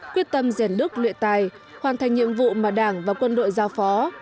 quyết tâm giản lức luyện tài hoàn thành nhiệm vụ mà đảng và quân đội giao phó